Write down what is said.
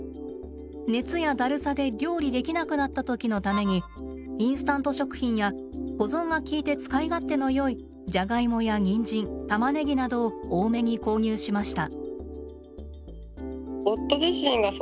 熱やだるさで料理できなくなった時のためにインスタント食品や保存がきいて使い勝手のよいジャガイモやニンジンタマネギなどを多めに購入しました。